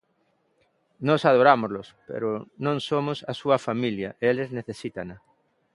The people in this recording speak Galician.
Nós adorámolos, pero non somos a súa familia e eles necesítana.